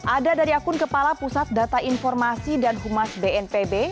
ada dari akun kepala pusat data informasi dan humas bnpb